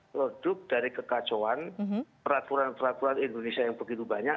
produk dari kekacauan peraturan peraturan indonesia yang begitu banyak